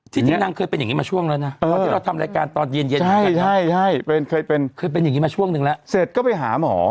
จริงนางเคยเป็นอย่างนี้มาช่วงแล้วนะตอนที่เราทำรายการตอนเย็นเคยเป็นเคยเป็นอย่างนี้มาช่วงนึงแล้วเสร็จก็ไปหาหมอ